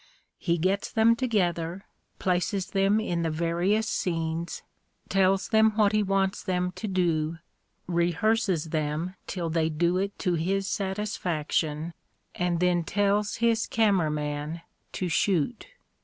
He gets them together, places them in the various scenes, tells them what he wants them to do, rehearses them till they do it to his satisfaction, and then tells his cameraman to shoot.